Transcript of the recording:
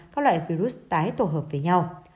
các loại virus tái tổ hợp với nhau